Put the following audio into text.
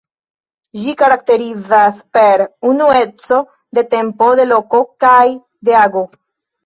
Ĝi karakterizas per unueco de tempo, de loko kaj de ago.